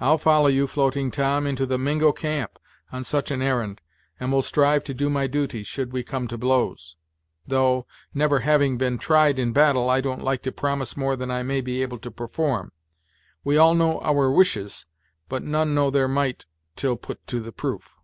I'll follow you, Floating Tom, into the Mingo camp, on such an arr'nd, and will strive to do my duty, should we come to blows; though, never having been tried in battle, I don't like to promise more than I may be able to perform. We all know our wishes, but none know their might till put to the proof."